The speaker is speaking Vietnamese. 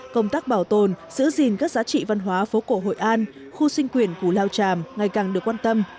công tác bảo tồn giữ gìn các giá trị văn hóa phố cổ hội an khu sinh quyền củ lao tràm ngày càng được quan tâm